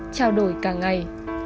trao đổi cả ngày